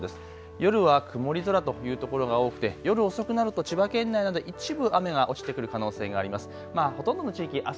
夜は曇り空というところが多くて夜遅くなると千葉県など一部雨が落ちてくる可能性があります。